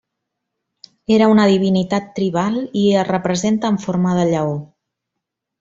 Era una divinitat tribal i es representa en forma de lleó.